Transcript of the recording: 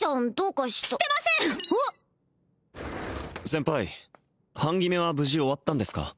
先輩班決めは無事終わったんですか？